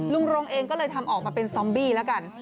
รงเองก็เลยทำออกมาเป็นซอมบี้แล้วกัน